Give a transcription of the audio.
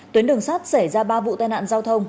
tuyến đường sắt xảy ra ba vụ tai nạn giao thông